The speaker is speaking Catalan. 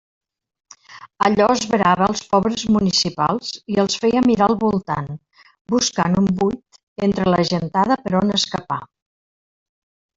Allò esverava els pobres municipals i els feia mirar al voltant, buscant un buit entre la gentada per on escapar.